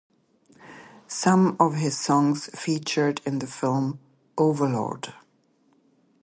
Some of his songs featured in the film "Overlord"